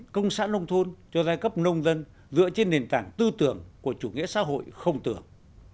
công xã nông thôn cho giai cấp nông dân dựa trên nền tảng tư tưởng của chủ nghĩa xã hội không tưởng